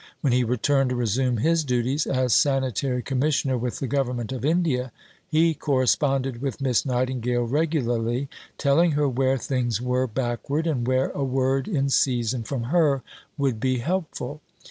When he returned to resume his duties as "Sanitary Commissioner with the Government of India," he corresponded with Miss Nightingale regularly, telling her where things were backward and where a word in season from her would be helpful.